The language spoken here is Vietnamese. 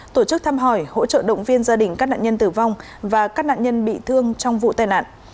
tổ chức thăm hỏi hỗ trợ động viên gia đình các nạn nhân tử vong và các nạn nhân bị thương trong vụ tai nạn